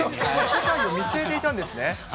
世界を見据えていたんですね。